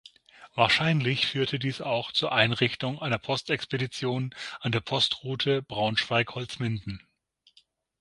Wahrscheinlich führte dies auch zur Einrichtung einer Postexpedition an der Postroute Braunschweig–Holzminden.